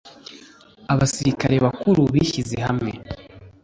– abasilikare bakuru bishyize hamwe